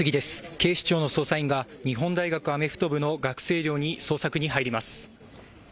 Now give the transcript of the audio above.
警視庁の捜査員が日本大学アメフト部の学生寮に捜索に入ります。